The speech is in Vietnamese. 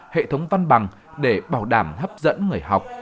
hệ thống văn bằng để bảo đảm hấp dẫn người học